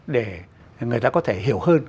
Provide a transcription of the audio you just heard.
để người ta có thể hiểu hơn